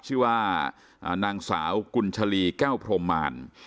ชื่อว่านางสาวกุญชลีแก้วพรมมาร